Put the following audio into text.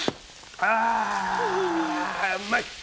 ああうまい！